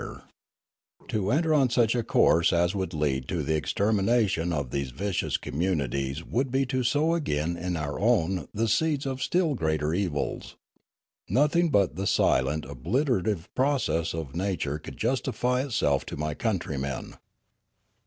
412 Riallaro To enter on such a course as would lead to the ex termination of these vicious communities would be to sow again in our own the seeds of still greater evils. Nothing but the silent obliterative process of nature could justify itself to my countrymen.